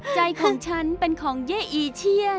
ใจของฉันเป็นของเย้อีเชีย